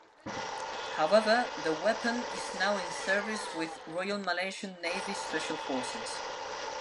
However, the weapon is now in service with Royal Malaysian Navy special forces.